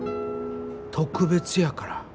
特別やから。